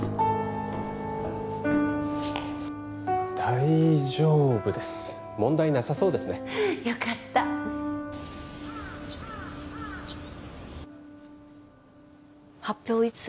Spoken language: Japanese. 大丈夫です問題なさそうですねよかった発表いつ？